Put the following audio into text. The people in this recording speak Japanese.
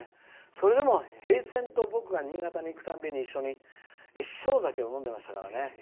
それでも平然と僕は新潟に行くたびに一緒に一升酒を飲んでいましたからね。